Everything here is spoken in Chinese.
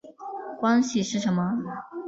关系是什么？